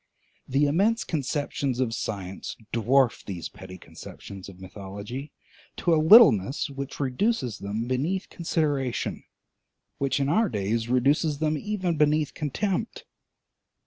The immense conceptions of science dwarf these petty conceptions of mythology to a littleness which reduces them beneath consideration, which in our days reduces them even beneath contempt.